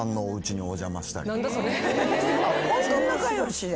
ホントに仲良しで。